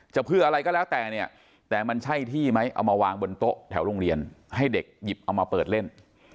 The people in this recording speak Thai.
จะเพื่ออะไรก็แล้วแต่เนี่ยแต่มันใช่ที่ไหมเอามาวางบนโต๊ะแถวโรงเรียนให้เด็กหยิบเอามาเปิดเล่น